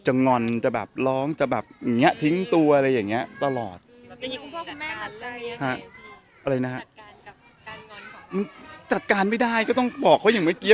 จะงอนจะแบบร้องจะแบบอย่างนี้